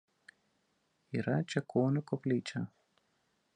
Yra Čekonių koplyčia.